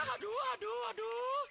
aduh aduh aduh